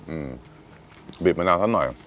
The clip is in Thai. อืมบีบมะนาวท่านหน่อย